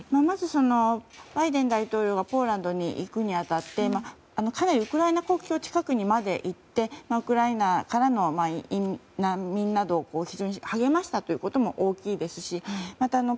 まず、バイデン大統領がポーランドに行くにあたってかなりウクライナ国境近くにまで行ってウクライナからの難民などを励ましたということも大きいですしまた